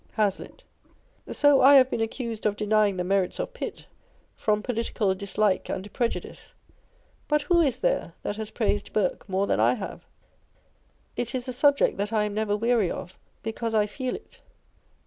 Hazlitt So I have been accused of denying the merits of Pitt, from political dislike and prejudice : but who is there that has praised Burke more than I have ? It is a subject that I am never wreary of, because I feel it.